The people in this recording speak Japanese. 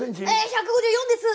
１５４です。